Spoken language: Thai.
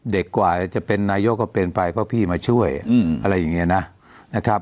กว่าจะเป็นนายกก็เป็นไปเพราะพี่มาช่วยอะไรอย่างนี้นะครับ